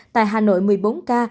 tại hà nội một mươi bốn ca